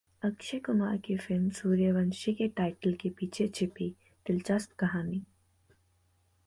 अक्षय कुमार की फिल्म 'सूर्यवंशी' के टाइटल के पीछे छिपी दिलचस्प कहानी